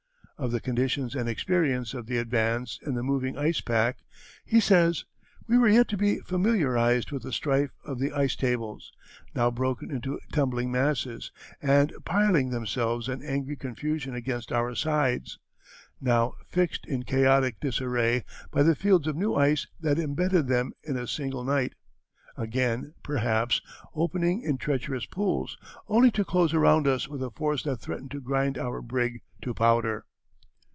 Of the conditions and experience of the Advance in the moving ice pack he says: "We were yet to be familiarized with the strife of the ice tables, now broken into tumbling masses and piling themselves in angry confusion against our sides; now fixed in chaotic disarray by the fields of new ice that imbedded them in a single night; again, perhaps, opening in treacherous pools, only to close around us with a force that threatened to grind our brig to powder."